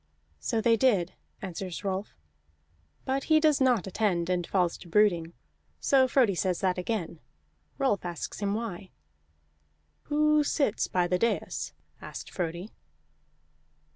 "So they did," answers Rolf. But he does not attend, and falls to brooding. So Frodi says that again. Rolf asks him why. "Who sits by the dais?" asked Frodi.